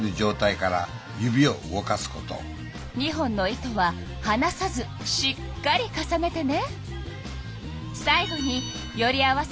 ２本の糸ははなさずしっかり重ねてね。